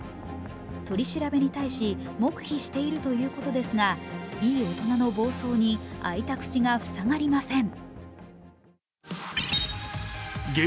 取り調べに対し黙秘しているということですが、いい大人の暴走に開いた口が塞がりません。